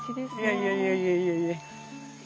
いやいやいやいや。